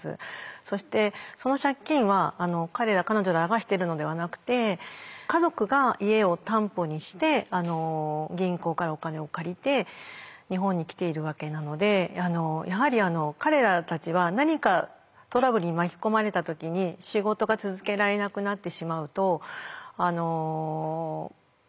そしてその借金は彼ら彼女らがしてるのではなくて家族が家を担保にして銀行からお金を借りて日本に来ているわけなのでやはり彼らたちは何かトラブルに巻き込まれた時に仕事が続けられなくなってしまうと本当に困るんですね。